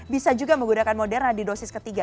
bisa juga menggunakan moderna di dosis ketiga